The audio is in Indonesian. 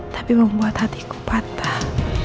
tapi membuat hatiku patah